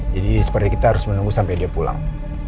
jadi seperti kita harus menunggu sampai dia pulang